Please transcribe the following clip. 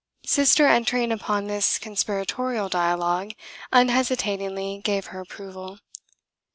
Sister, entering upon this conspiratorial dialogue, unhesitatingly gave her approval.